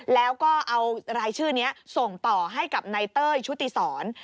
แล้วก็เอารายชื่อนี้ส่งต่อให้กับนายเต้ยชุติศร